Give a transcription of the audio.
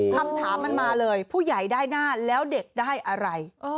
คำถามมันมาเลยผู้ใหญ่ได้หน้าแล้วเด็กได้อะไร